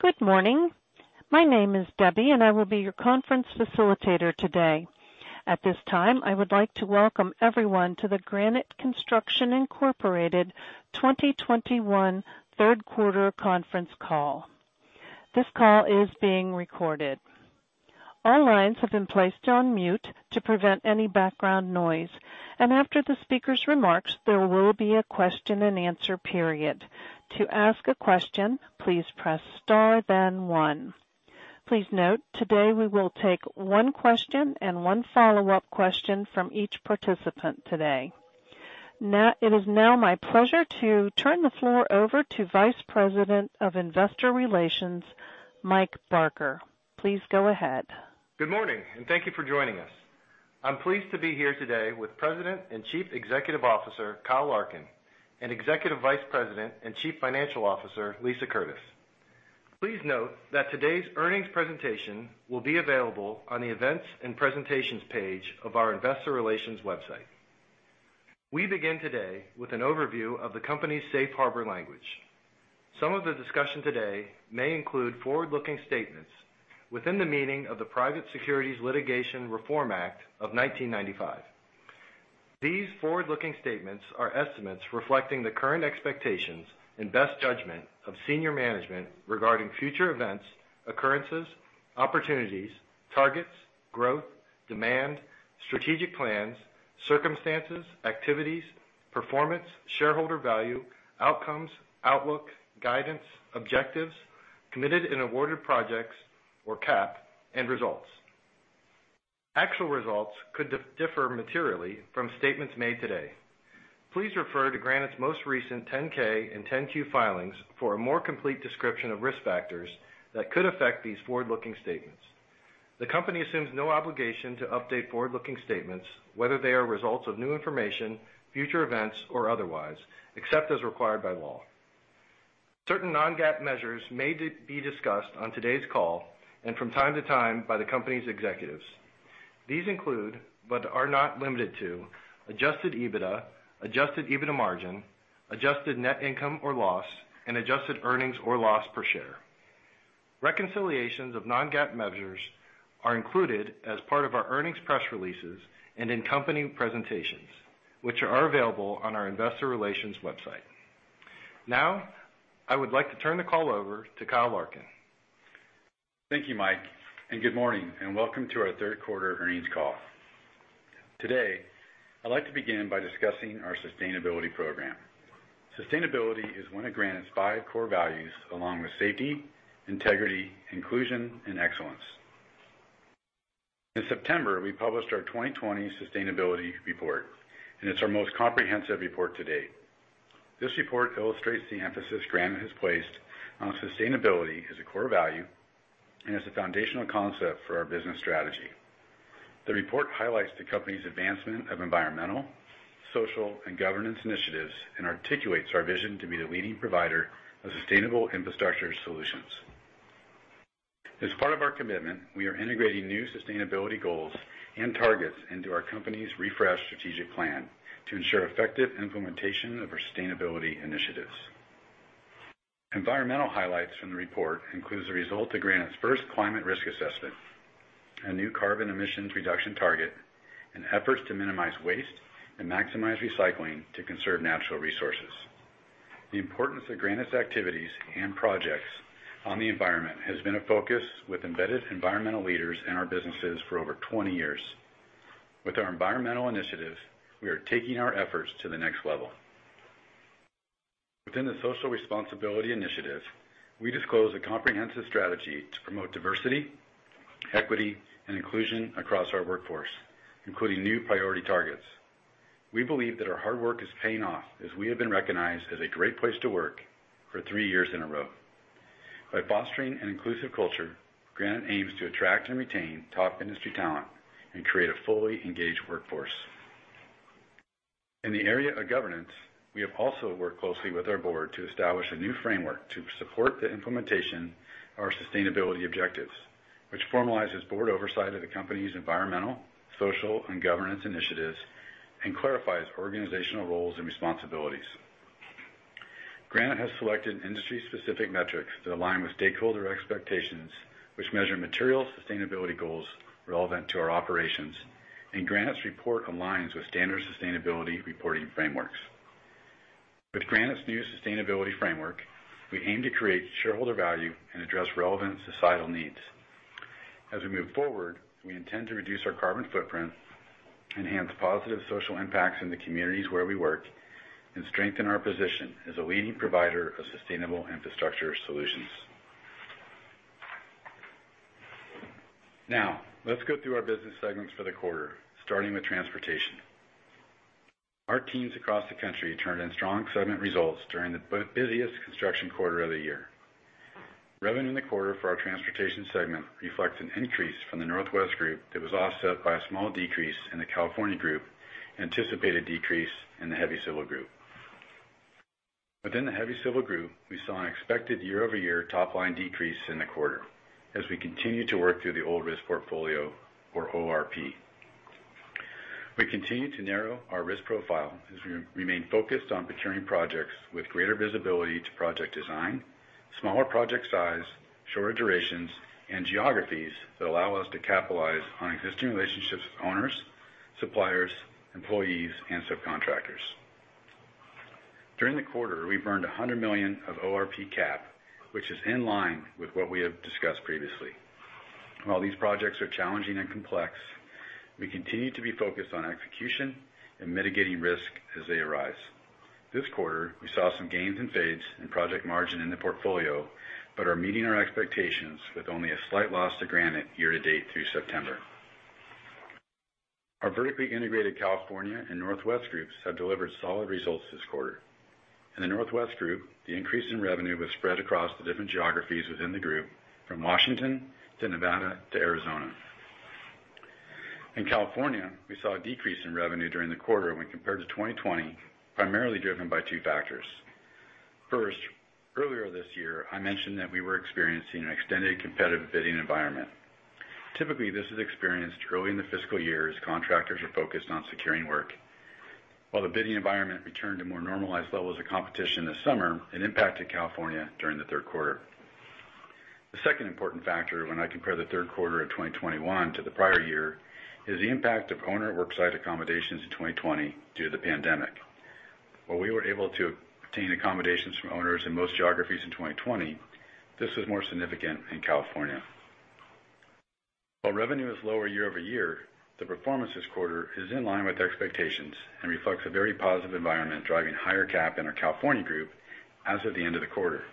Good morning. My name is Debbie, and I will be your conference facilitator today. At this time, I would like to welcome everyone to the Granite Construction Incorporated 2021 third quarter conference call. This call is being recorded. All lines have been placed on mute to prevent any background noise, and after the speaker's remarks, there will be a question-and-answer period. To ask a question, please press star, then one. Please note, today, we will take one question and one follow-up question from each participant today. Now... It is now my pleasure to turn the floor over to Vice President of Investor Relations, Mike Barker. Please go ahead. Good morning, and thank you for joining us. I'm pleased to be here today with President and Chief Executive Officer, Kyle Larkin, and Executive Vice President and Chief Financial Officer, Lisa Curtis. Please note that today's earnings presentation will be available on the Events and Presentations page of our investor relations website. We begin today with an overview of the company's safe harbor language. Some of the discussion today may include forward-looking statements within the meaning of the Private Securities Litigation Reform Act of 1995. These forward-looking statements are estimates reflecting the current expectations and best judgment of senior management regarding future events, occurrences, opportunities, targets, growth, demand, strategic plans, circumstances, activities, performance, shareholder value, outcomes, outlook, guidance, objectives, Committed and Awarded Projects or CAP, and results. Actual results could differ materially from statements made today. Please refer to Granite's most recent 10-K and 10-Q filings for a more complete description of risk factors that could affect these forward-looking statements. The company assumes no obligation to update forward-looking statements, whether they are a result of new information, future events, or otherwise, except as required by law. Certain Non-GAAP measures may be discussed on today's call and from time to time by the company's executives. These include, but are not limited to, Adjusted EBITDA, Adjusted EBITDA Margin, Adjusted Net Income or loss, and adjusted earnings or loss per share. Reconciliations of Non-GAAP measures are included as part of our earnings press releases and in company presentations, which are available on our investor relations website. Now, I would like to turn the call over to Kyle Larkin. Thank you, Mike, and good morning, and welcome to our third quarter earnings call. Today, I'd like to begin by discussing our sustainability program. Sustainability is one of Granite's five core values, along with safety, integrity, inclusion, and excellence. In September, we published our 2020 Sustainability Report, and it's our most comprehensive report to date. This report illustrates the emphasis Granite has placed on sustainability as a core value and as a foundational concept for our business strategy. The report highlights the company's advancement of environmental, social, and governance initiatives and articulates our vision to be the leading provider of sustainable infrastructure solutions. As part of our commitment, we are integrating new sustainability goals and targets into our company's refreshed strategic plan to ensure effective implementation of our sustainability initiatives. Environmental highlights from the report includes the result of Granite's first climate risk assessment, a new carbon emissions reduction target, and efforts to minimize waste and maximize recycling to conserve natural resources. The importance of Granite's activities and projects on the environment has been a focus with embedded environmental leaders in our businesses for over 20 years. With our environmental initiatives, we are taking our efforts to the next level. Within the social responsibility initiatives, we disclose a comprehensive strategy to promote diversity, equity, and inclusion across our workforce, including new priority targets. We believe that our hard work is paying off as we have been recognized as a great place to work for three years in a row. By fostering an inclusive culture, Granite aims to attract and retain top industry talent and create a fully engaged workforce. In the area of governance, we have also worked closely with our board to establish a new framework to support the implementation of our sustainability objectives, which formalizes board oversight of the company's environmental, social, and governance initiatives and clarifies organizational roles and responsibilities. Granite has selected industry-specific metrics that align with stakeholder expectations, which measure material sustainability goals relevant to our operations, and Granite's report aligns with standard sustainability reporting frameworks. With Granite's new sustainability framework, we aim to create shareholder value and address relevant societal needs. As we move forward, we intend to reduce our carbon footprint, enhance positive social impacts in the communities where we work, and strengthen our position as a leading provider of sustainable infrastructure solutions. Now, let's go through our business segments for the quarter, starting with transportation. Our teams across the country turned in strong segment results during the busiest construction quarter of the year. Revenue in the quarter for our Transportation Segment reflects an increase from the Northwest Group that was offset by a small decrease in the California Group, anticipated decrease in the Heavy Civil Group. Within the Heavy Civil Group, we saw an expected year-over-year top-line decrease in the quarter as we continue to work through the Old Risk Portfolio, or ORP. We continue to narrow our risk profile as we remain focused on procuring projects with greater visibility to project design, smaller project size, shorter durations, and geographies that allow us to capitalize on existing relationships with owners, suppliers, employees, and subcontractors. During the quarter, we've earned $100 million of ORP CAP, which is in line with what we have discussed previously. While these projects are challenging and complex, we continue to be focused on execution and mitigating risk as they arise. This quarter, we saw some gains and fades in project margin in the portfolio, but are meeting our expectations with only a slight loss to Granite year-to-date through September. Our vertically integrated California and Northwest Groups have delivered solid results this quarter. In the Northwest Group, the increase in revenue was spread across the different geographies within the group, from Washington to Nevada to Arizona. In California, we saw a decrease in revenue during the quarter when compared to 2020, primarily driven by two factors. First, earlier this year, I mentioned that we were experiencing an extended competitive bidding environment. Typically, this is experienced early in the fiscal year as contractors are focused on securing work. While the bidding environment returned to more normalized levels of competition this summer, it impacted California during the third quarter. The second important factor when I compare the third quarter of 2021 to the prior year, is the impact of owner worksite accommodations in 2020 due to the pandemic. While we were able to obtain accommodations from owners in most geographies in 2020, this was more significant in California. While revenue is lower year-over-year, the performance this quarter is in line with expectations and reflects a very positive environment, driving higher CAP in our California Group as of the end of the quarter.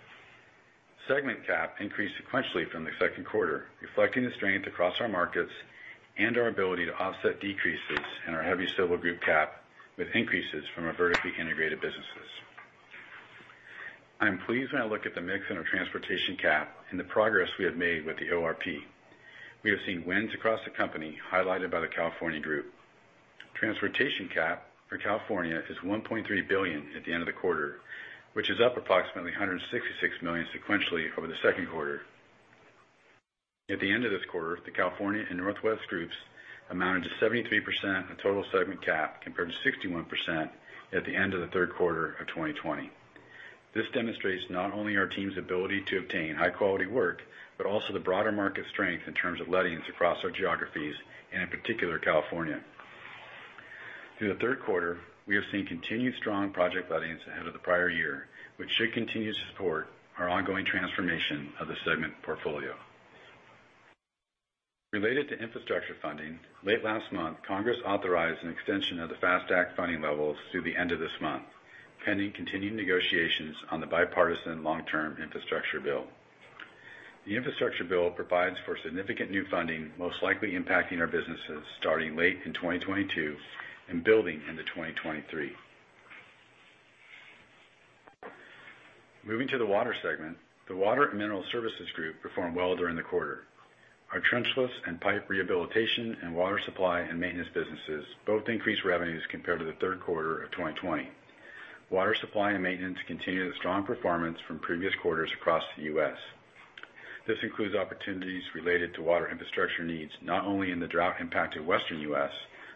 Segment CAP increased sequentially from the second quarter, reflecting the strength across our markets and our ability to offset decreases in our Heavy Civil Group CAP with increases from our vertically integrated businesses. I am pleased when I look at the mix in our transportation cap and the progress we have made with the ORP. We have seen wins across the company, highlighted by the California Group. Transportation cap for California is $1.3 billion at the end of the quarter, which is up approximately $166 million sequentially over the second quarter. At the end of this quarter, the California and Northwest Groups amounted to 73% of total segment cap, compared to 61% at the end of the third quarter of 2020. This demonstrates not only our team's ability to obtain high-quality work, but also the broader market strength in terms of lettings across our geographies, and in particular, California. Through the third quarter, we have seen continued strong project lettings ahead of the prior year, which should continue to support our ongoing transformation of the segment portfolio. Related to infrastructure funding, late last month, Congress authorized an extension of the FAST Act funding levels through the end of this month, pending continuing negotiations on the bipartisan long-term infrastructure bill. The infrastructure bill provides for significant new funding, most likely impacting our businesses starting late in 2022 and building into 2023. Moving to the Water segment, the Water and Mineral Services Group performed well during the quarter. Our trenchless and pipe rehabilitation and water supply and maintenance businesses both increased revenues compared to the third quarter of 2020. Water supply and maintenance continued a strong performance from previous quarters across the U.S. This includes opportunities related to water infrastructure needs, not only in the drought-impacted Western US,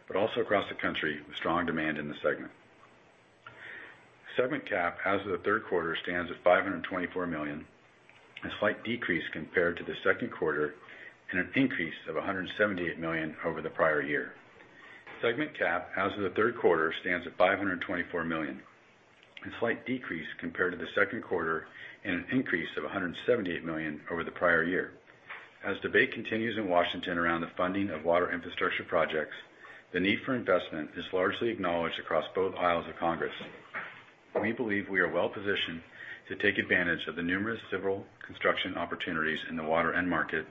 but also across the country, with strong demand in the segment. Segment CAP as of the third quarter, stands at $524 million, a slight decrease compared to the second quarter, and an increase of $178 million over the prior year. Segment CAP as of the third quarter, stands at $524 million, a slight decrease compared to the second quarter and an increase of $178 million over the prior year. As debate continues in Washington around the funding of water infrastructure projects, the need for investment is largely acknowledged across both aisles of Congress. We believe we are well positioned to take advantage of the numerous civil construction opportunities in the water end market,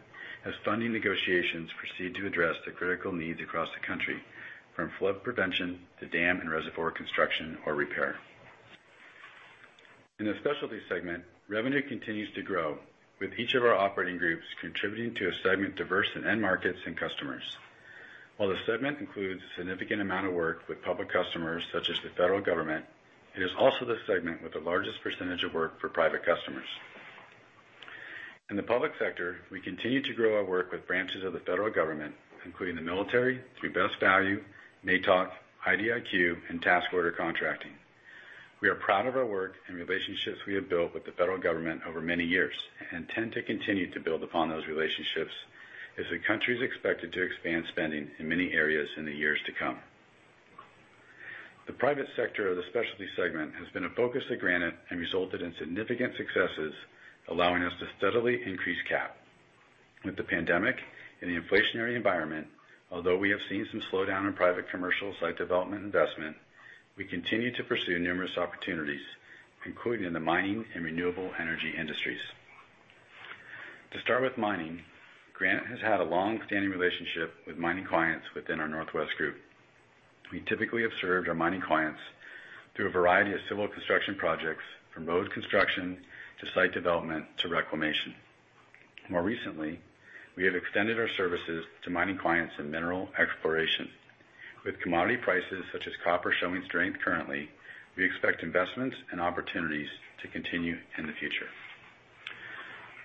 as funding negotiations proceed to address the critical needs across the country, from flood prevention to dam and reservoir construction or repair. In the Specialty segment, revenue continues to grow, with each of our operating groups contributing to a segment diverse in end markets and customers. While the segment includes a significant amount of work with public customers, such as the federal government, it is also the segment with the largest percentage of work for private customers. In the public sector, we continue to grow our work with branches of the federal government, including the military, through Best Value, MATOC, IDIQ, and task order contracting. We are proud of our work and relationships we have built with the federal government over many years, and intend to continue to build upon those relationships as the country is expected to expand spending in many areas in the years to come. The private sector of the Specialty segment has been a focus of Granite and resulted in significant successes, allowing us to steadily increase CAP. With the pandemic and the inflationary environment, although we have seen some slowdown in private commercial site development investment, we continue to pursue numerous opportunities, including in the mining and renewable energy industries. To start with mining, Granite has had a long-standing relationship with mining clients within our Northwest Group. We typically have served our mining clients through a variety of civil construction projects, from road construction to site development to reclamation. More recently, we have extended our services to mining clients in mineral exploration. With commodity prices, such as copper, showing strength currently, we expect investments and opportunities to continue in the future....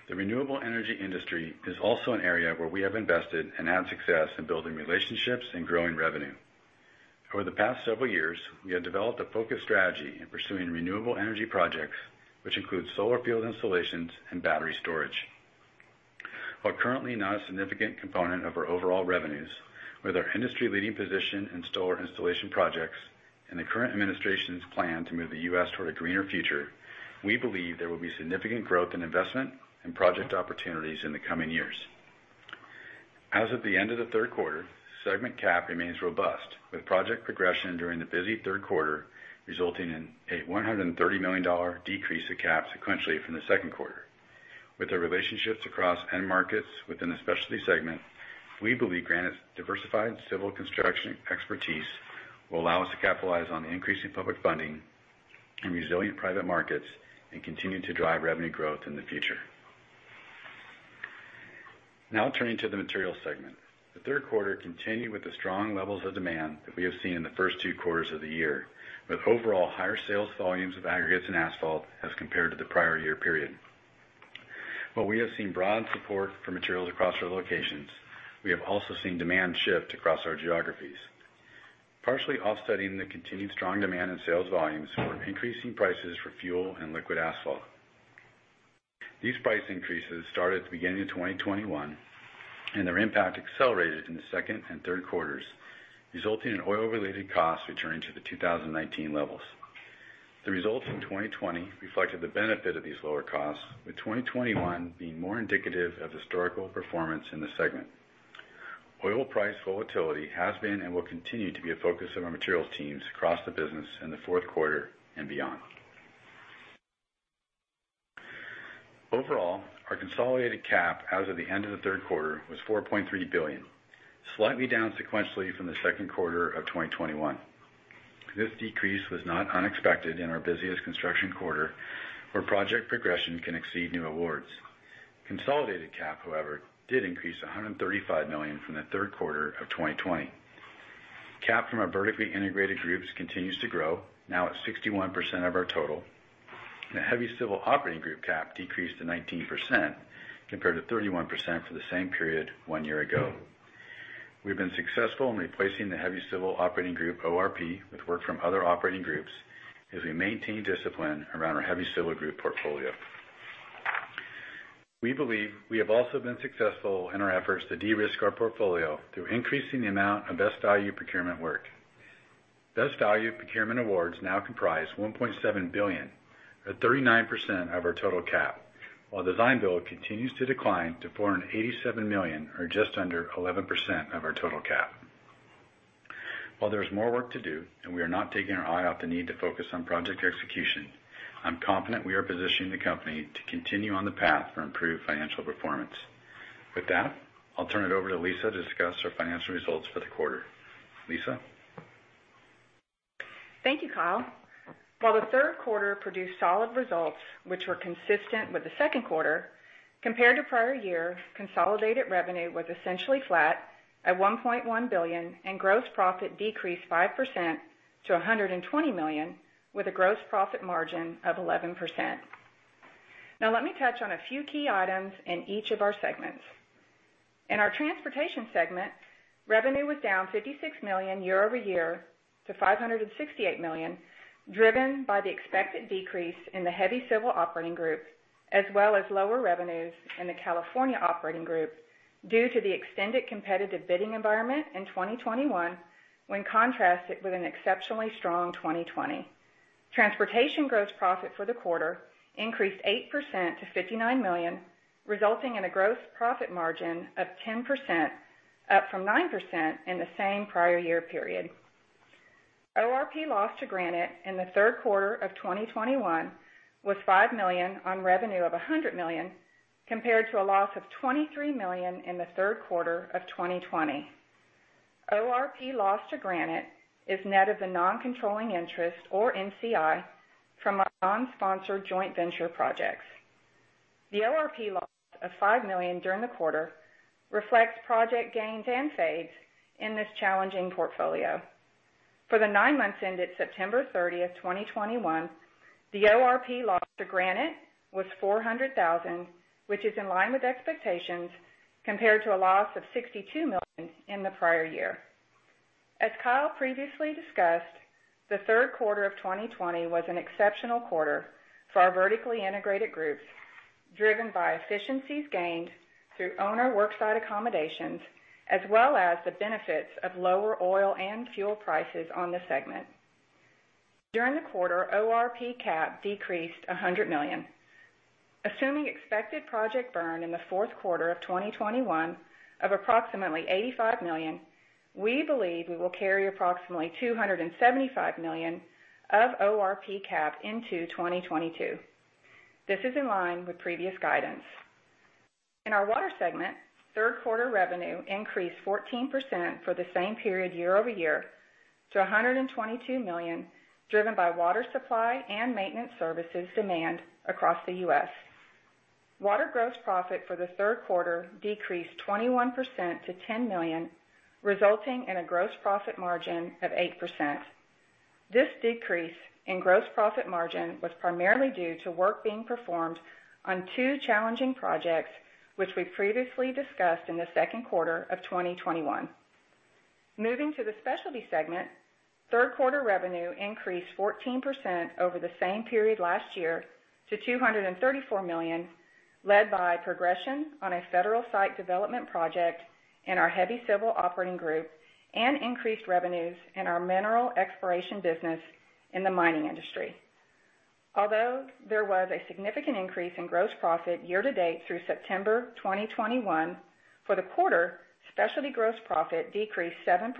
The renewable energy industry is also an area where we have invested and had success in building relationships and growing revenue. Over the past several years, we have developed a focused strategy in pursuing renewable energy projects, which include solar field installations and battery storage. While currently not a significant component of our overall revenues, with our industry-leading position in solar installation projects and the current administration's plan to move the U.S. toward a greener future, we believe there will be significant growth in investment and project opportunities in the coming years. As of the end of the third quarter, segment CAP remains robust, with project progression during the busy third quarter, resulting in a $130 million decrease in CAP sequentially from the second quarter. With our relationships across end markets within the Specialty segment, we believe Granite's diversified civil construction expertise will allow us to capitalize on the increasing public funding and resilient private markets and continue to drive revenue growth in the future. Now turning to the Materials segment. The third quarter continued with the strong levels of demand that we have seen in the first two quarters of the year, with overall higher sales volumes of aggregates and asphalt as compared to the prior year period. While we have seen broad support for materials across our locations, we have also seen demand shift across our geographies. Partially offsetting the continued strong demand in sales volumes were increasing prices for fuel and liquid asphalt. These price increases started at the beginning of 2021, and their impact accelerated in the second and third quarters, resulting in oil-related costs returning to the 2019 levels. The results in 2020 reflected the benefit of these lower costs, with 2021 being more indicative of historical performance in the segment. Oil price volatility has been and will continue to be a focus of our materials teams across the business in the fourth quarter and beyond. Overall, our consolidated cap as of the end of the third quarter was $4.3 billion, slightly down sequentially from the second quarter of 2021. This decrease was not unexpected in our busiest construction quarter, where project progression can exceed new awards. Consolidated CAP, however, did increase $135 million from the third quarter of 2020. CAP from our vertically integrated groups continues to grow, now at 61% of our total. The Heavy Civil Operating Group CAP decreased to 19%, compared to 31% for the same period one year ago. We've been successful in replacing the Heavy Civil Operating Group ORP with work from other operating groups as we maintain discipline around our Heavy Civil Group portfolio. We believe we have also been successful in our efforts to de-risk our portfolio through increasing the amount of Best Value procurement work. Best Value procurement awards now comprise $1.7 billion, or 39% of our total CAP, while Design-Build continues to decline to $487 million, or just under 11% of our total CAP. While there is more work to do, and we are not taking our eye off the need to focus on project execution, I'm confident we are positioning the company to continue on the path for improved financial performance. With that, I'll turn it over to Lisa to discuss our financial results for the quarter. Lisa? Thank you, Kyle. While the third quarter produced solid results, which were consistent with the second quarter, compared to prior year, consolidated revenue was essentially flat at $1.1 billion, and gross profit decreased 5% to $120 million, with a gross profit margin of 11%. Now, let me touch on a few key items in each of our segments. In our Transportation Segment, revenue was down $56 million year-over-year to $568 million, driven by the expected decrease in the Heavy Civil Operating Group, as well as lower revenues in the California operating group due to the extended competitive bidding environment in 2021, when contrasted with an exceptionally strong 2020. Transportation gross profit for the quarter increased 8% to $59 million, resulting in a gross profit margin of 10%, up from 9% in the same prior year period. ORP loss to Granite in the third quarter of 2021 was $5 million on revenue of $100 million, compared to a loss of $23 million in the third quarter of 2020. ORP loss to Granite is net of the non-controlling interest, or NCI, from our non-sponsored joint venture projects. The ORP loss of $5 million during the quarter reflects project gains and fades in this challenging portfolio. For the nine months ended September 30th, 2021, the ORP loss to Granite was $400,000, which is in line with expectations, compared to a loss of $62 million in the prior year. As Kyle previously discussed, the third quarter of 2020 was an exceptional quarter for our vertically integrated groups, driven by efficiencies gained through owner worksite accommodations, as well as the benefits of lower oil and fuel prices on the segment. During the quarter, ORP CAP decreased $100 million. Assuming expected project burn in the fourth quarter of 2021 of approximately $85 million, we believe we will carry approximately $275 million of ORP CAP into 2022. This is in line with previous guidance. In our Water segment, third quarter revenue increased 14% for the same period year-over-year to $122 million, driven by water supply and maintenance services demand across the U.S. Water gross profit for the third quarter decreased 21% to $10 million, resulting in a gross profit margin of 8%.... This decrease in gross profit margin was primarily due to work being performed on two challenging projects, which we previously discussed in the second quarter of 2021. Moving to the Specialty segment, third quarter revenue increased 14% over the same period last year to $234 million, led by progression on a federal site development project in our Heavy Civil Operating Group, and increased revenues in our mineral exploration business in the mining industry. Although there was a significant increase in gross profit year-to-date through September 2021, for the quarter, Specialty gross profit decreased 7%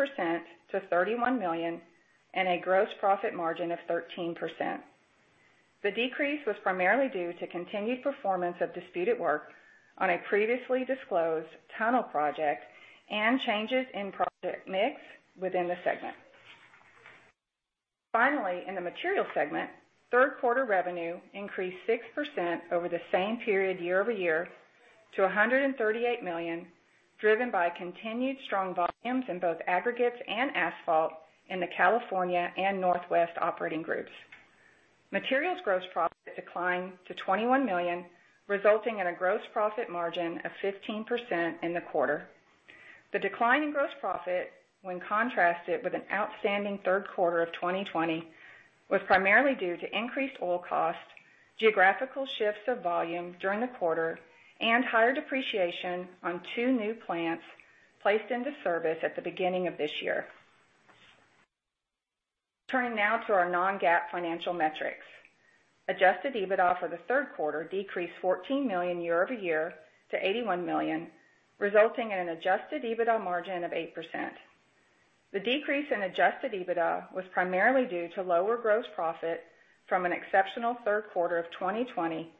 to $31 million, and a gross profit margin of 13%. The decrease was primarily due to continued performance of disputed work on a previously disclosed tunnel project and changes in project mix within the segment. Finally, in the Materials segment, third quarter revenue increased 6% over the same period year-over-year to $138 million, driven by continued strong volumes in both aggregates and asphalt in the California and Northwest operating groups. Materials gross profit declined to $21 million, resulting in a gross profit margin of 15% in the quarter. The decline in gross profit, when contrasted with an outstanding third quarter of 2020, was primarily due to increased oil costs, geographical shifts of volume during the quarter, and higher depreciation on two new plants placed into service at the beginning of this year. Turning now to our Non-GAAP financial metrics. Adjusted EBITDA for the third quarter decreased $14 million year-over-year to $81 million, resulting in an adjusted EBITDA margin of 8%. The decrease in Adjusted EBITDA was primarily due to lower gross profit from an exceptional third quarter of 2020,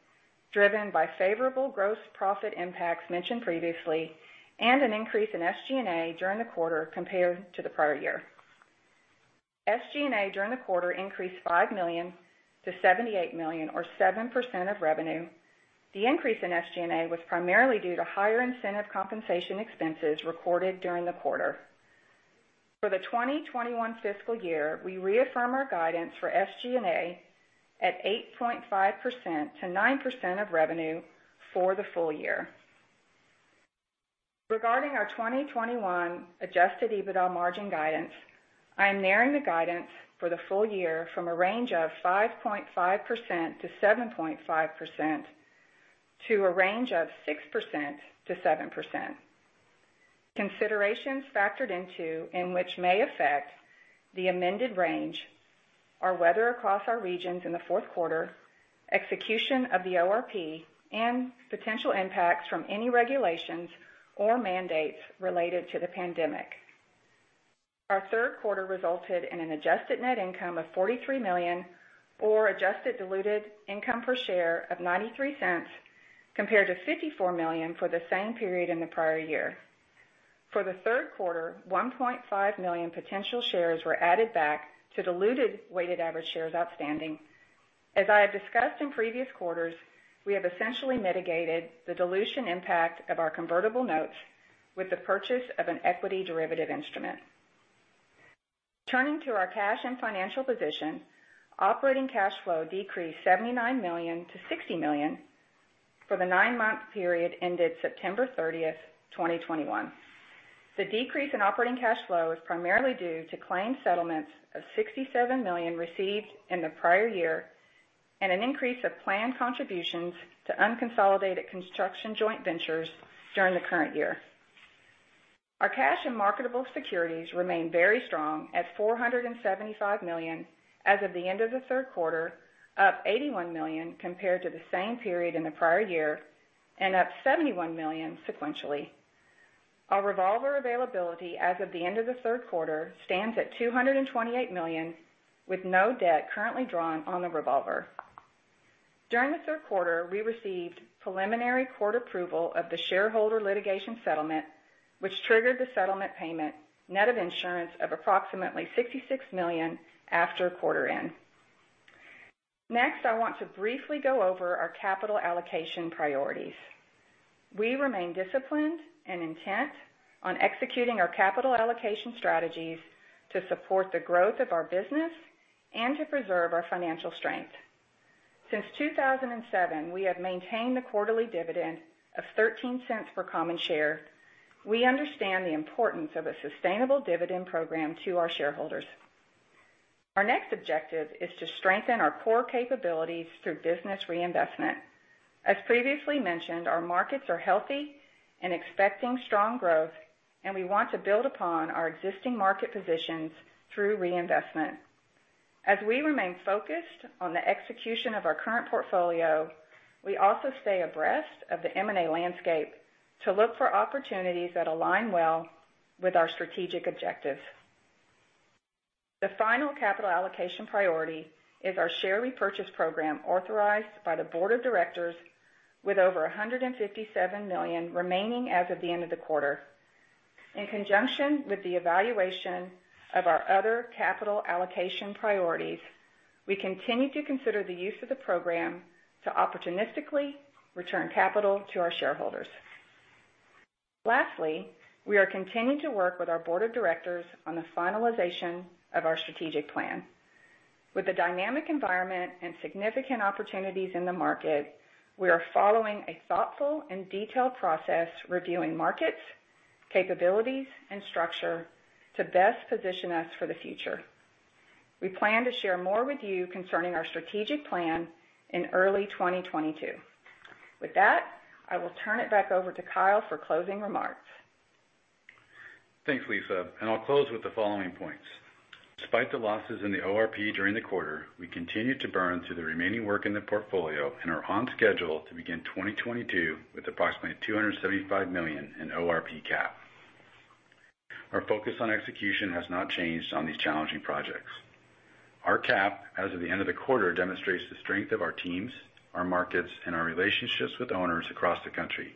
driven by favorable gross profit impacts mentioned previously, and an increase in SG&A during the quarter compared to the prior year. SG&A during the quarter increased $5 million-$78 million, or 7% of revenue. The increase in SG&A was primarily due to higher incentive compensation expenses recorded during the quarter. For the 2021 fiscal year, we reaffirm our guidance for SG&A at 8.5%-9% of revenue for the full year. Regarding our 2021 Adjusted EBITDA margin guidance, I am narrowing the guidance for the full year from a range of 5.5%-7.5%, to a range of 6%-7%. Considerations factored into, and which may affect the amended range, are weather across our regions in the fourth quarter, execution of the ORP, and potential impacts from any regulations or mandates related to the pandemic. Our third quarter resulted in an adjusted net income of $43 million, or adjusted diluted income per share of $0.93, compared to $54 million for the same period in the prior year. For the third quarter, 1.5 million potential shares were added back to diluted weighted average shares outstanding. As I have discussed in previous quarters, we have essentially mitigated the dilution impact of our convertible notes with the purchase of an equity derivative instrument. Turning to our cash and financial position, operating cash flow decreased $79 million-$60 million for the nine-month period ended September 30th, 2021. The decrease in operating cash flow is primarily due to claim settlements of $67 million received in the prior year, and an increase of planned contributions to unconsolidated construction joint ventures during the current year. Our cash and marketable securities remain very strong at $475 million as of the end of the third quarter, up $81 million compared to the same period in the prior year, and up $71 million sequentially. Our revolver availability as of the end of the third quarter stands at $228 million, with no debt currently drawn on the revolver. During the third quarter, we received preliminary court approval of the shareholder litigation settlement, which triggered the settlement payment, net of insurance, of approximately $66 million after quarter end. Next, I want to briefly go over our capital allocation priorities. We remain disciplined and intent on executing our capital allocation strategies to support the growth of our business and to preserve our financial strength. Since 2007, we have maintained a quarterly dividend of $0.13 per common share. We understand the importance of a sustainable dividend program to our shareholders. Our next objective is to strengthen our core capabilities through business reinvestment. As previously mentioned, our markets are healthy and expecting strong growth, and we want to build upon our existing market positions through reinvestment. As we remain focused on the execution of our current portfolio, we also stay abreast of the M&A landscape to look for opportunities that align well with our strategic objectives. The final capital allocation priority is our share repurchase program, authorized by the Board of Directors with over $157 million remaining as of the end of the quarter. In conjunction with the evaluation of our other capital allocation priorities, we continue to consider the use of the program to opportunistically return capital to our shareholders.... lastly, we are continuing to work with our Board of Directors on the finalization of our strategic plan. With the dynamic environment and significant opportunities in the market, we are following a thoughtful and detailed process, reviewing markets, capabilities, and structure to best position us for the future. We plan to share more with you concerning our strategic plan in early 2022. With that, I will turn it back over to Kyle for closing remarks. Thanks, Lisa, and I'll close with the following points. Despite the losses in the ORP during the quarter, we continue to burn through the remaining work in the portfolio and are on schedule to begin 2022 with approximately $275 million in ORP CAP. Our focus on execution has not changed on these challenging projects. Our CAP, as of the end of the quarter, demonstrates the strength of our teams, our markets, and our relationships with owners across the country.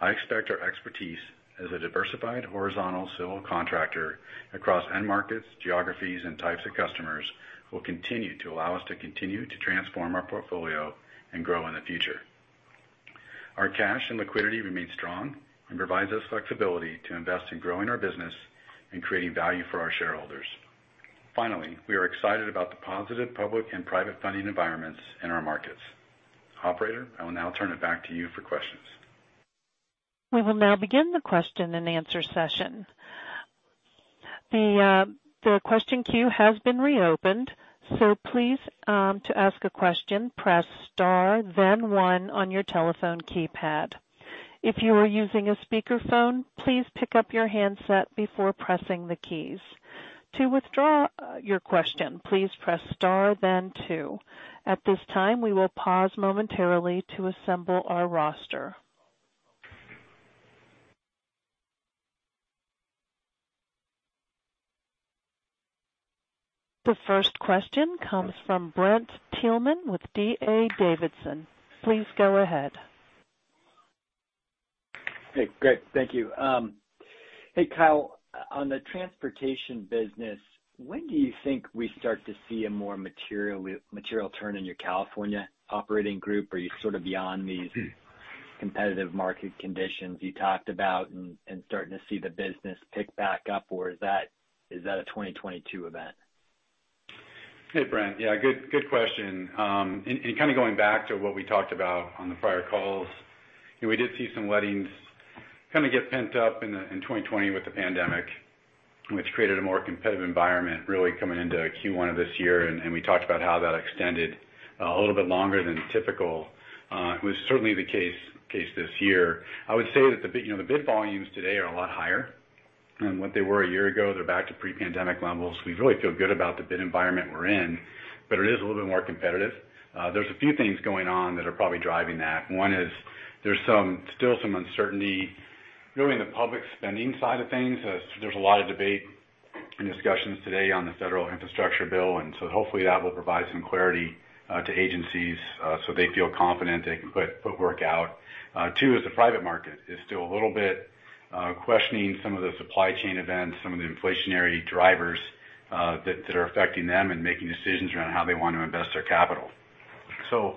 I expect our expertise as a diversified horizontal civil contractor across end markets, geographies, and types of customers, will continue to allow us to continue to transform our portfolio and grow in the future. Our cash and liquidity remain strong and provides us flexibility to invest in growing our business and creating value for our shareholders. Finally, we are excited about the positive public and private funding environments in our markets. Operator, I will now turn it back to you for questions. We will now begin the question-and-answer session. The question queue has been reopened, so please to ask a question, press star, then one on your telephone keypad. If you are using a speakerphone, please pick up your handset before pressing the keys. To withdraw your question, please press star, then two. At this time, we will pause momentarily to assemble our roster. The first question comes from Brent Thielman with D.A. Davidson. Please go ahead. Hey, great. Thank you. Hey, Kyle, on the transportation business, when do you think we start to see a more material, material turn in your California operating group? Are you sort of beyond these competitive market conditions you talked about and, and starting to see the business pick back up, or is that, is that a 2022 event? Hey, Brent. Yeah, good, good question. And kind of going back to what we talked about on the prior calls, we did see some lettings kind of get pent up in 2020 with the pandemic, which created a more competitive environment, really coming into Q1 of this year, and we talked about how that extended a little bit longer than typical. It was certainly the case this year. I would say that the, you know, the bid volumes today are a lot higher than what they were a year ago. They're back to pre-pandemic levels. We really feel good about the bid environment we're in, but it is a little bit more competitive. There's a few things going on that are probably driving that. One is there's still some uncertainty, really in the public spending side of things. There's a lot of debate and discussions today on the federal infrastructure bill, and so hopefully that will provide some clarity to agencies, so they feel confident they can put footwork out. Two is the private market is still a little bit questioning some of the supply chain events, some of the inflationary drivers that are affecting them and making decisions around how they want to invest their capital. So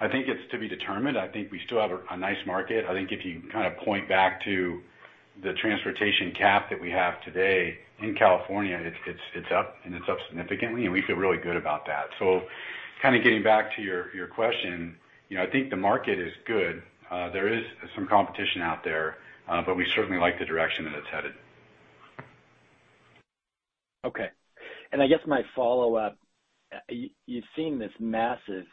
I think it's to be determined. I think we still have a nice market. I think if you kind of point back to the transportation cap that we have today in California, it's up and it's up significantly, and we feel really good about that. So kind of getting back to your question, you know, I think the market is good. There is some competition out there, but we certainly like the direction that it's headed. Okay. I guess my follow-up, you've seen this massive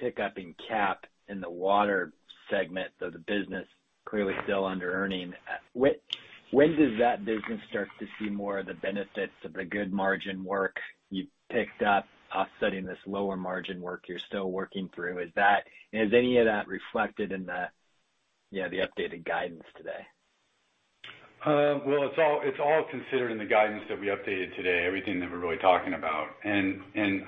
pickup in CAP in the Water segment of the business, clearly still under earning. When does that business start to see more of the benefits of the good margin work you've picked up, offsetting this lower margin work you're still working through? Has any of that reflected in the updated guidance today? Well, it's all, it's all considered in the guidance that we updated today, everything that we're really talking about. And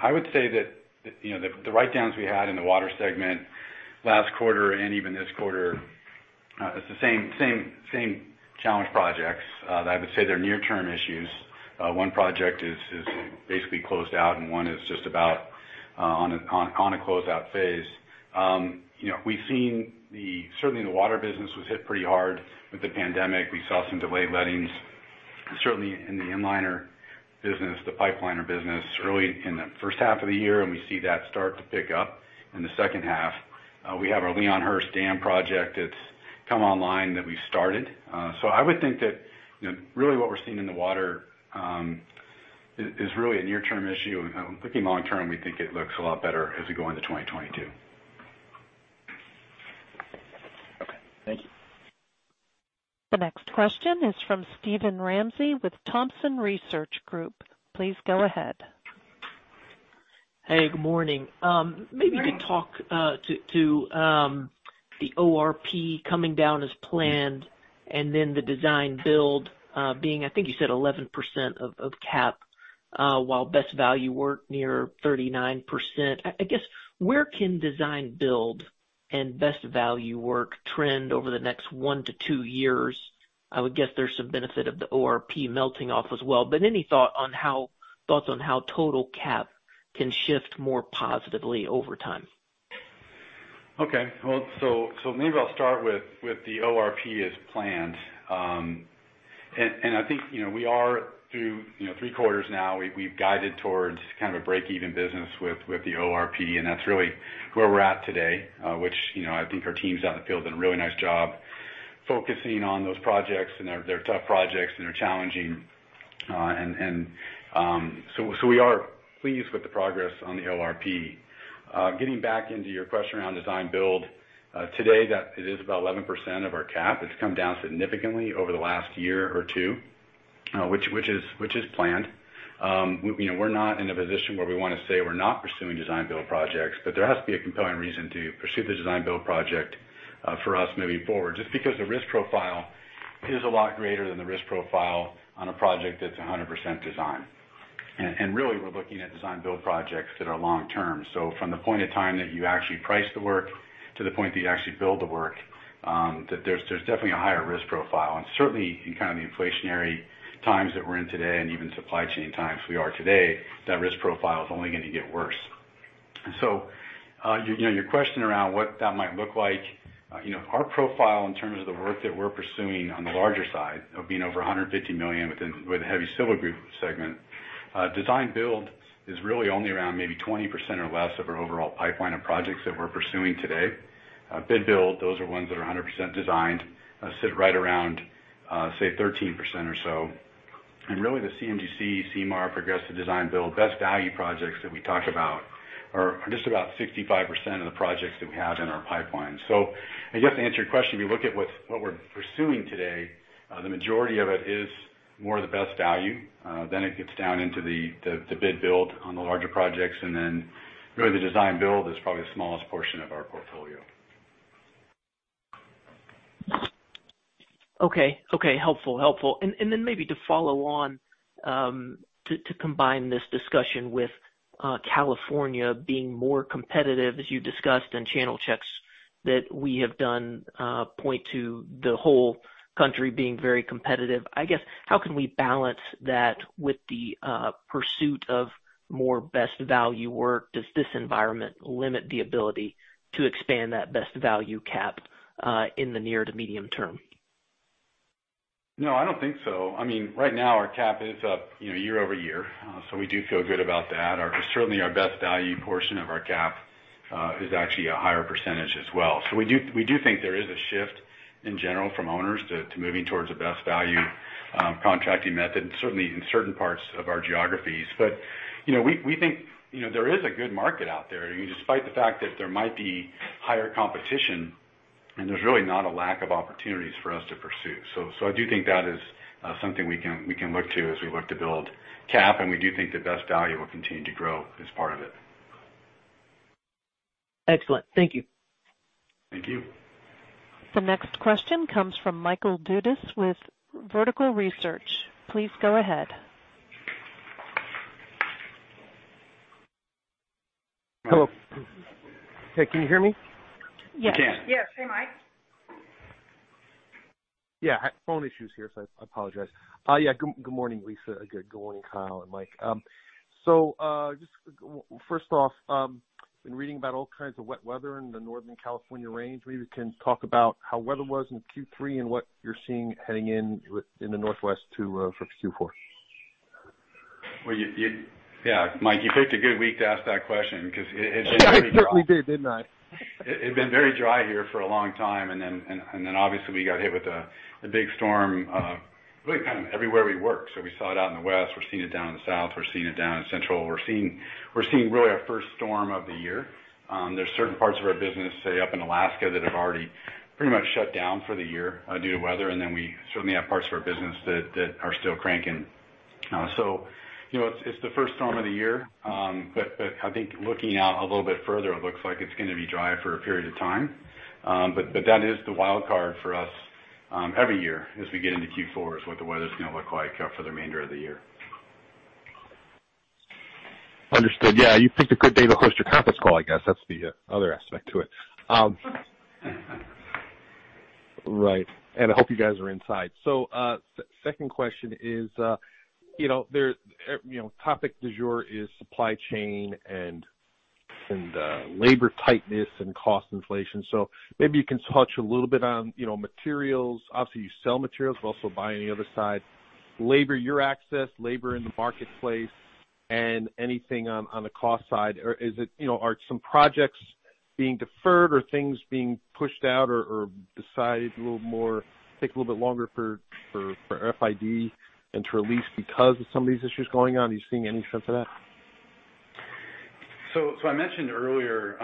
I would say that, you know, the writedowns we had in the Water segment last quarter and even this quarter, it's the same challenge projects. I would say they're near-term issues. One project is basically closed out, and one is just about on a closeout phase. You know, we've seen the... Certainly, the water business was hit pretty hard with the pandemic. We saw some delayed lettings, certainly in the Inliner business, the pipeliner business, really in the first half of the year, and we see that start to pick up in the second half. We have our Leon Hurse Dam project that's come online that we started. So I would think that, you know, really what we're seeing in the water is really a near-term issue. And, thinking long term, we think it looks a lot better as we go into 2022. Okay, thank you. The next question is from Steven Ramsey with Thompson Research Group. Please go ahead. Hey, good morning. Good morning. Maybe you could talk to the ORP coming down as planned, and then the Design-Build being, I think you said 11% of CAP, while Best Value work near 39%. I guess, where can Design-Build and Best Value work trend over the next 1 year-2 years? I would guess there's some benefit of the ORP melting off as well, but any thoughts on how total CAP can shift more positively over time?... Okay, well, maybe I'll start with the ORP as planned. And I think, you know, we are through three quarters now. We've guided towards kind of a break-even business with the ORP, and that's really where we're at today, which, you know, I think our teams out in the field have done a really nice job focusing on those projects, and they're tough projects, and they're challenging. So we are pleased with the progress on the ORP. Getting back into your question around Design-Build, today, that it is about 11% of our CAP. It's come down significantly over the last year or two, which is planned. You know, we're not in a position where we wanna say we're not pursuing Design-Build projects, but there has to be a compelling reason to pursue the Design-Build project for us moving forward, just because the risk profile is a lot greater than the risk profile on a project that's 100% design. And, and really, we're looking at Design-Build projects that are long term. So from the point of time that you actually price the work to the point that you actually build the work, that there's definitely a higher risk profile. And certainly in kind of the inflationary times that we're in today and even supply chain times we are today, that risk profile is only going to get worse. So, you know, your question around what that might look like, you know, our profile in terms of the work that we're pursuing on the larger side of being over $150 million within, with the Heavy Civil Group segment, design build is really only around maybe 20% or less of our overall pipeline of projects that we're pursuing today. Bid build, those are ones that are 100% designed, sit right around, say, 13% or so. And really, the CM/GC, CMAR progressive design build, Best Value projects that we talked about are just about 65% of the projects that we have in our pipeline. So I guess to answer your question, if you look at what's what we're pursuing today, the majority of it is more of the Best Value. Then it gets down into the bid-build on the larger projects, and then really, the Design-Build is probably the smallest portion of our portfolio. Okay. Okay, helpful, helpful. And then maybe to follow on to combine this discussion with California being more competitive, as you discussed, and channel checks that we have done point to the whole country being very competitive, I guess, how can we balance that with the pursuit of more Best Value work? Does this environment limit the ability to expand that Best Value CAP in the near to medium term? No, I don't think so. I mean, right now, our CAP is up, you know, year-over-year, so we do feel good about that. Our, certainly, our Best Value portion of our CAP, is actually a higher percentage as well. So we do, we do think there is a shift in general from owners to, to moving towards a Best Value, contracting method, and certainly in certain parts of our geographies. But, you know, we, we think, you know, there is a good market out there, despite the fact that there might be higher competition, and there's really not a lack of opportunities for us to pursue. So, so I do think that is, something we can, we can look to as we look to build CAP, and we do think the Best Value will continue to grow as part of it. Excellent. Thank you. Thank you. The next question comes from Michael Dudas with Vertical Research. Please go ahead. Hello. Hey, can you hear me? We can. Yes. Hey, Mike. Yeah, I had phone issues here, so I apologize. Yeah, good morning, Lisa. Good morning, Kyle and Mike. So, just first off, been reading about all kinds of wet weather in the Northern California range. Maybe you can talk about how weather was in Q3 and what you're seeing heading into the Northwest for Q4. Well, yeah, Mike, you picked a good week to ask that question because it's been- I certainly did, didn't I? It had been very dry here for a long time, and then obviously we got hit with a big storm, really kind of everywhere we work. So we saw it out in the west, we're seeing it down in the south, we're seeing it down in central. We're seeing really our first storm of the year. There's certain parts of our business, say, up in Alaska, that have already pretty much shut down for the year, due to weather, and then we certainly have parts of our business that are still cranking. So, you know, it's the first storm of the year. But I think looking out a little bit further, it looks like it's gonna be dry for a period of time. But that is the wild card for us, every year as we get into Q4, is what the weather's gonna look like for the remainder of the year. Understood. Yeah, you picked a good day to host your conference call, I guess. That's the other aspect to it. Right, and I hope you guys are inside. So, second question is, you know, there, you know, topic du jour is supply chain and labor tightness and cost inflation. So maybe you can touch a little bit on, you know, materials. Obviously, you sell materials, but also buy on the other side. Labor, your access, labor in the marketplace, and anything on the cost side. Or is it, you know, are some projects being deferred or things being pushed out or decided a little more, take a little bit longer for FID and to release because of some of these issues going on? Are you seeing any sense of that? So I mentioned earlier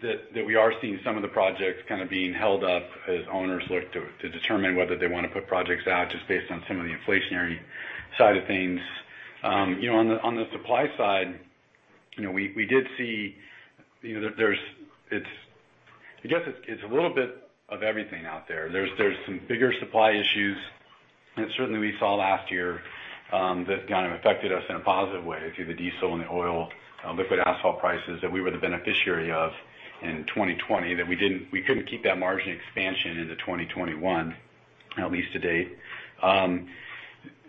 that we are seeing some of the projects kind of being held up as owners look to determine whether they want to put projects out just based on some of the inflationary side of things. You know, on the supply side, you know, we did see, you know, there's—it's, I guess, a little bit of everything out there. There's some bigger supply issues that certainly we saw last year that kind of affected us in a positive way through the diesel and the oil, liquid asphalt prices that we were the beneficiary of in 2020, that we didn't—we couldn't keep that margin expansion into 2021, at least to date.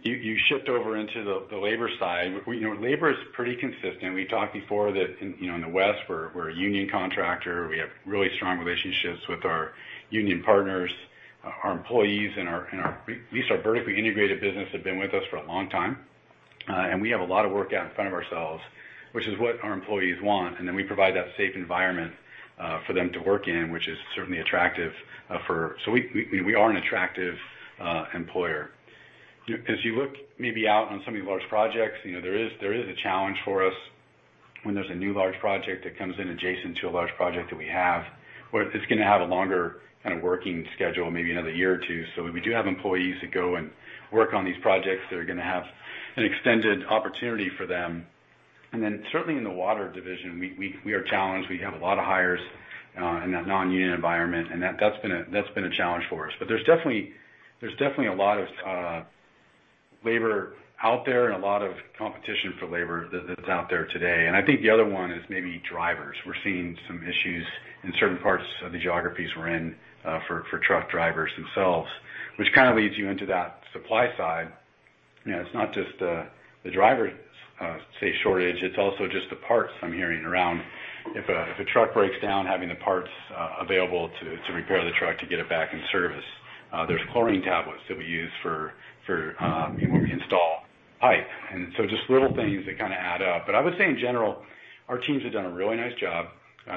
You shifted over into the labor side. We, you know, labor is pretty consistent. We talked before that, in, you know, in the West, we're a union contractor. We have really strong relationships with our union partners, our employees and at least our vertically integrated business have been with us for a long time. And we have a lot of work out in front of ourselves, which is what our employees want, and then we provide that safe environment for them to work in, which is certainly attractive for. So we are an attractive employer. As you look maybe out on some of your large projects, you know, there is a challenge for us when there's a new large project that comes in adjacent to a large project that we have, where it's gonna have a longer kind of working schedule, maybe another year or two. So we do have employees that go and work on these projects that are gonna have an extended opportunity for them. And then, certainly in the water division, we are challenged. We have a lot of hires in that non-union environment, and that's been a challenge for us. But there's definitely a lot of labor out there and a lot of competition for labor that's out there today. And I think the other one is maybe drivers. We're seeing some issues in certain parts of the geographies we're in for truck drivers themselves, which kind of leads you into that supply side. You know, it's not just the driver shortage, it's also just the parts I'm hearing around. If a truck breaks down, having the parts available to repair the truck to get it back in service. There's chlorine tablets that we use for when we install pipe, and so just little things that kinda add up. But I would say in general, our teams have done a really nice job.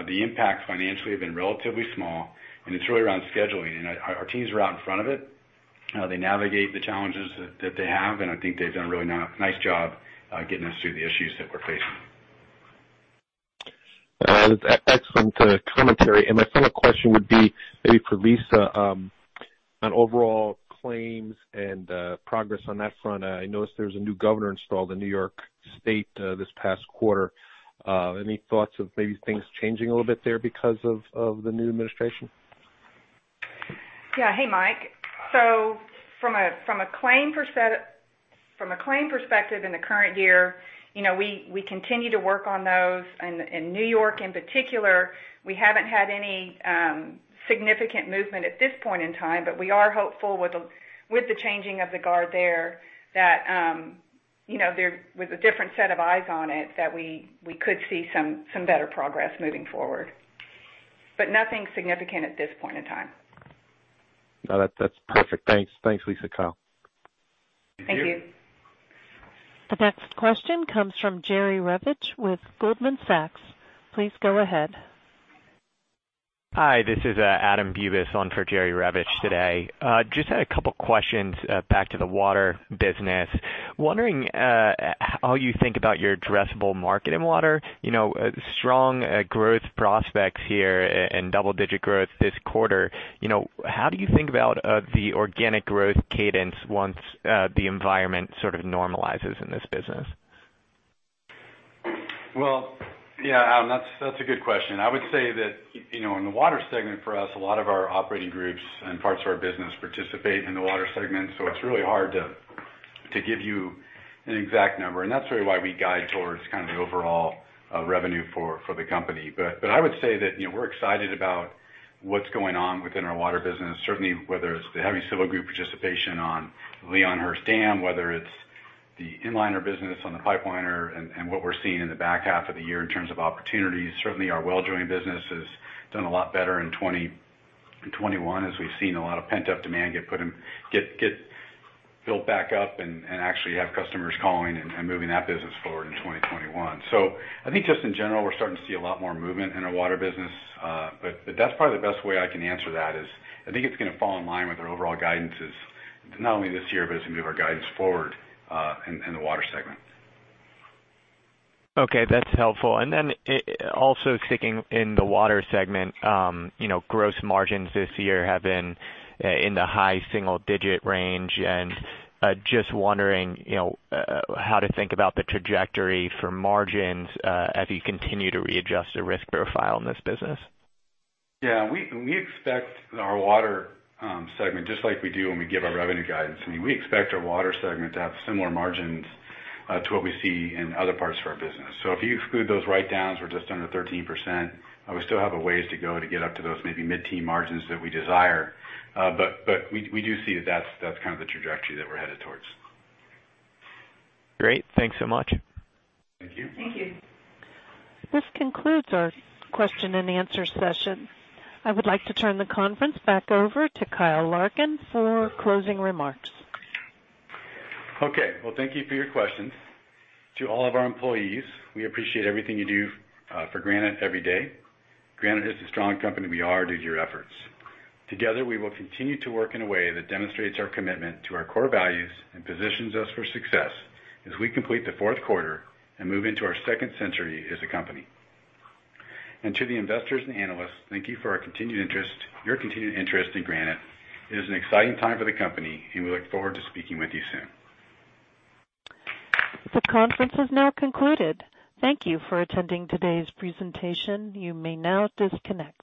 The impact financially have been relatively small, and it's really around scheduling. Our teams are out in front of it. They navigate the challenges that they have, and I think they've done a really nice job getting us through the issues that we're facing. Excellent, commentary. And my final question would be maybe for Lisa, on overall claims and progress on that front. I noticed there was a new governor installed in New York State, this past quarter. Any thoughts of maybe things changing a little bit there because of the new administration? Yeah. Hey, Mike. So from a claim perspective in the current year, you know, we continue to work on those. In New York, in particular, we haven't had any significant movement at this point in time, but we are hopeful with the changing of the guard there, that, you know, with a different set of eyes on it, that we could see some better progress moving forward. But nothing significant at this point in time. No, that, that's perfect. Thanks. Thanks, Lisa. Kyle? Thank you. Thank you. The next question comes from Jerry Revich with Goldman Sachs. Please go ahead. Hi, this is Adam Bubes on for Jerry Revich today. Just had a couple questions back to the water business. Wondering how you think about your addressable market in water? You know, strong growth prospects here and double-digit growth this quarter. You know, how do you think about the organic growth cadence once the environment sort of normalizes in this business? Well, yeah, Adam, that's a good question. I would say that, you know, in the Water segment for us, a lot of our operating groups and parts of our business participate in the Water segment, so it's really hard to give you an exact number, and that's really why we guide towards kind of the overall revenue for the company. But I would say that, you know, we're excited about what's going on within our water business. Certainly, whether it's the Heavy Civil Group participation on Leon Hurse Dam, whether it's the Inliner business on the pipeliner and what we're seeing in the back half of the year in terms of opportunities. Certainly, our well drilling business has done a lot better in twenty... 2021, as we've seen a lot of pent-up demand get put in, get built back up and actually have customers calling and moving that business forward in 2021. So I think just in general, we're starting to see a lot more movement in our water business. But that's probably the best way I can answer that is, I think it's gonna fall in line with our overall guidances, not only this year, but as we move our guidance forward in the Water segment. Okay, that's helpful. And then, also sticking in the Water segment, you know, gross margins this year have been in the high single digit range. And, just wondering, you know, how to think about the trajectory for margins, as you continue to readjust the risk profile in this business? Yeah, we, we expect our Water segment, just like we do when we give our revenue guidance, I mean, we expect our Water segment to have similar margins, to what we see in other parts of our business. So if you exclude those write-downs, we're just under 13%. We still have a ways to go to get up to those maybe mid-teen margins that we desire. But, but we, we do see that that's, that's kind of the trajectory that we're headed towards. Great. Thanks so much. Thank you. Thank you. This concludes our question and answer session. I would like to turn the conference back over to Kyle Larkin for closing remarks. Okay. Well, thank you for your questions. To all of our employees, we appreciate everything you do for Granite every day. Granite is the strong company we are due to your efforts. Together, we will continue to work in a way that demonstrates our commitment to our core values and positions us for success as we complete the fourth quarter and move into our second century as a company. And to the investors and analysts, thank you for our continued interest, your continued interest in Granite. It is an exciting time for the company, and we look forward to speaking with you soon. The conference is now concluded. Thank you for attending today's presentation. You may now disconnect.